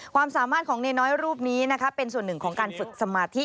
ความสามารถของเนน้อยรูปนี้นะคะเป็นส่วนหนึ่งของการฝึกสมาธิ